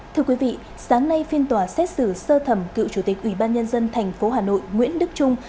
thưa quý vị sáng nay phiên tòa xét xử sơ thẩm cựu chủ tịch ủy ban nhân dân tp hà nội nguyễn đức trung